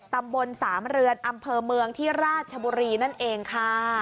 ตำบลสามเรือนอำเภอเมืองที่ราชบุรีนั่นเองค่ะ